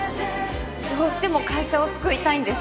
どうしても会社を救いたいんです。